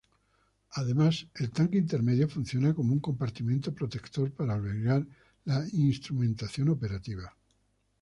Además el tanque intermedio funciona como un compartimento protector para albergar la instrumentación operativa.